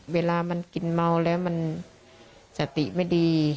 เวลามันกินเมาแล้วมันสติไม่ดี